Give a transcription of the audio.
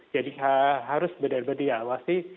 jadi harus benar benar diawasi